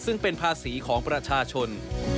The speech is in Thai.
ซึ่งเป็นภาษีของประชาชน